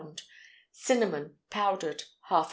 Cinnamon, powdered ½ lb.